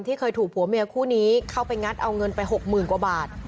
เคยถูกผัวเมียคู่นี้เข้าไปงัดเอาเงินไป๖๐๐๐กว่าบาท